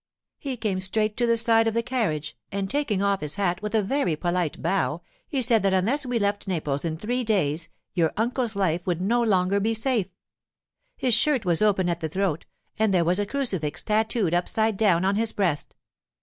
He came straight to the side of the carriage, and taking off his hat with a very polite bow, he said that unless we left Naples in three days your uncle's life would no longer be safe. His shirt was open at the throat, and there was a crucifix tattooed upside down on his breast.